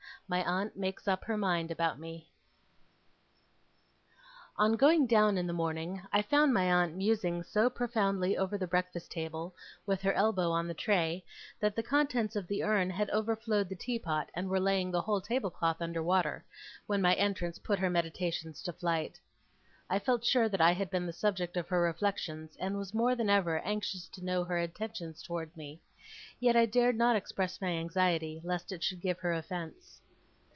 MY AUNT MAKES UP HER MIND ABOUT ME On going down in the morning, I found my aunt musing so profoundly over the breakfast table, with her elbow on the tray, that the contents of the urn had overflowed the teapot and were laying the whole table cloth under water, when my entrance put her meditations to flight. I felt sure that I had been the subject of her reflections, and was more than ever anxious to know her intentions towards me. Yet I dared not express my anxiety, lest it should give her offence.